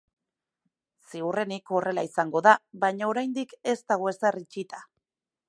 Ziurrenik horrela izango da, baina oraindik ez dago ezer itxita.